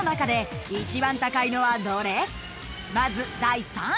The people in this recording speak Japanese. ［まず第３位］